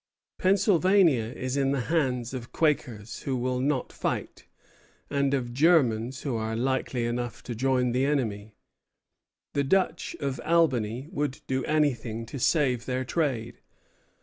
Pennsylvania is in the hands of Quakers, who will not fight, and of Germans, who are likely enough to join the enemy. The Dutch of Albany would do anything to save their trade.